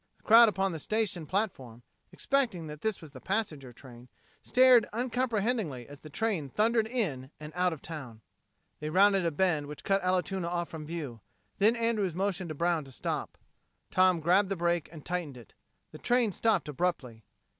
The crowd upon the station platform, expecting that this was the passenger train, stared uncomprehendingly as the train thundered in and out of town. They rounded a bend which cut Allatoona off from view; then Andrews motioned to Brown to stop. Tom grabbed the brake and tightened it. The train stopped abruptly.